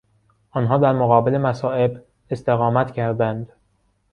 آنها در مقابل مصائب استقامت کردند.